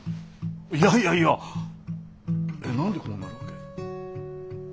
いやいやいや何でこうなるわけ？